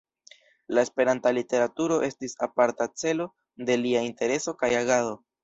La Esperanta literaturo estis aparta celo de lia intereso kaj agado.